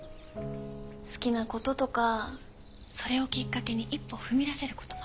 好きなこととかそれをきっかけに一歩踏み出せることもあります。